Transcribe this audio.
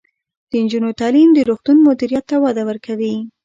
د نجونو تعلیم د روغتون مدیریت ته وده ورکوي.